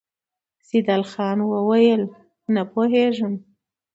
سيدال خان وويل: نه پوهېږم!